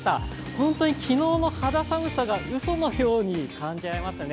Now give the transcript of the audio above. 本当に昨日の肌寒さがうそのように感じられますね。